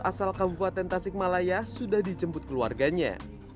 asal kabupaten tasik malaya sudah dijemput keluarganya